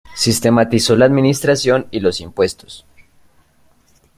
Sistematizó la administración y los impuestos.